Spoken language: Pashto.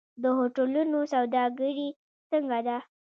د هوټلونو سوداګري څنګه ده؟